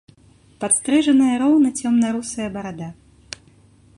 Падстрыжаная роўна цёмна-русая барада.